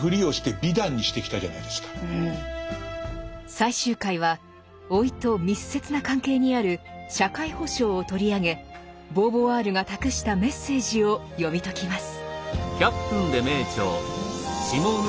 最終回は老いと密接な関係にある「社会保障」を取り上げボーヴォワールが託したメッセージを読み解きます。